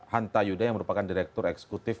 hanta yuda yang merupakan direktur eksekutif